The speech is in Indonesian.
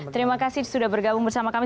terima kasih sudah bergabung bersama kami